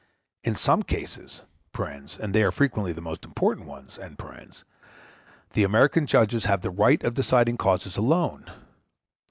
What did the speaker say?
In some cases (and they are frequently the most important ones) the American judges have the right of deciding causes alone.